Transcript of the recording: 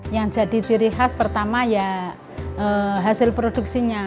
yang jadi ciri khas pertama ya hasil produksinya